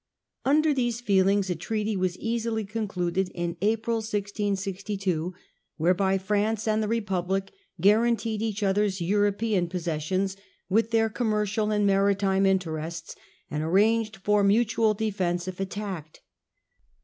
Under these feelings a treaty was easily concluded in April 1662, whereby France and the Republic guaran teed each other's European possessions, with their commercial and maritime interests, and arranged for mutual defence if attacked.